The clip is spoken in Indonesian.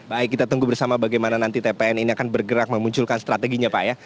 baik kita tunggu bersama bagaimana nanti tpn ini akan bergerak memunculkan strateginya pak ya